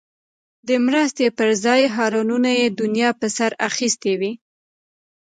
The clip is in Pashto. د مرستې پر ځای هارنونو یې دنیا په سر اخیستی وي.